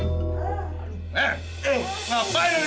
apa kenapa dia